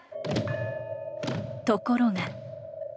ところが。